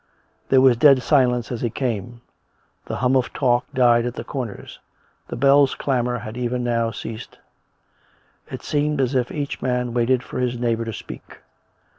There was dead silence as he came; the hum of talk died at the corners; the bells' clamour had even now ceased. It seemed as if each man waited for his neighbour to speak.